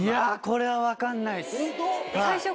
これは分かんないっす。